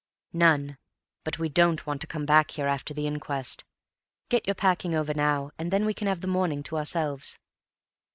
"None. But we don't want to come back here after the inquest. Get your packing over now and then we can have the morning to ourselves."